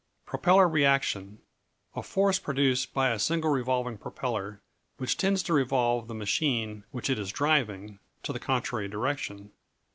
Propeller Reaction A force produced by a single revolving propeller, which tends to revolve the machine which it is driving, in the contrary direction.